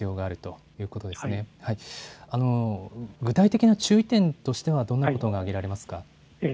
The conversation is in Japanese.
具体的な注意点としてはどんなことが挙げられますか。